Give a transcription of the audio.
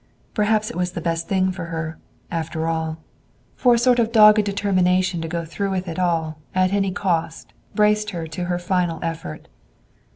Perhaps it was the best thing for her, after all. For a sort of dogged determination to go through with it all, at any cost, braced her to her final effort.